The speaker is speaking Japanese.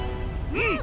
うん！